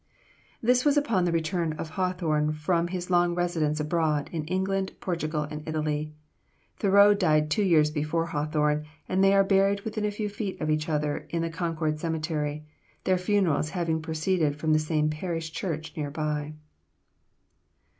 This was upon the return of Hawthorne from his long residence abroad, in England, Portugal, and Italy. Thoreau died two years before Hawthorne, and they are buried within a few feet of each other in the Concord cemetery, their funerals having proceeded from the same parish church near by.